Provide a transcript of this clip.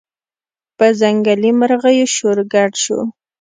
په ځنګلي مرغیو شور ګډ شو